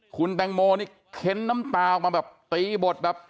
คุณแปลงโมเนี่ยเข้นน้ำตาลมาแบบตีบดแบบ